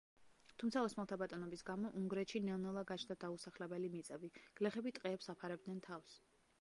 თუმცა, ოსმალთა ბატონობის გამო, უნგრეთში ნელ-ნელა გაჩნდა დაუსახლებელი მიწები, გლეხები ტყეებს აფარებდნენ თავს.